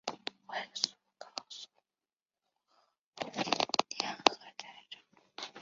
为苏克素护河部沾河寨长。